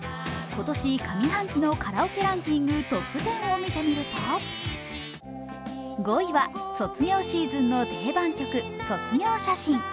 今年上半期のカラオケランキングトップ１０を見てみると、５位は卒業シーズンの定番曲「卒業写真」。